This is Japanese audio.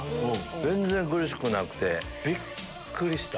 全然苦しくなくてびっくりした。